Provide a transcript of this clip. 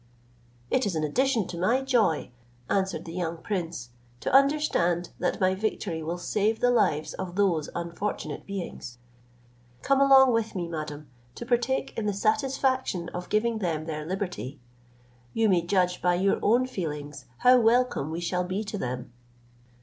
"It is an addition to my joy," answered the young prince, "to understand that my victory will save the lives of those unfortunate beings. Come along with me, madam, to partake in the satisfaction of giving them their liberty. You may judge by your own feelings how welcome we shall be to them."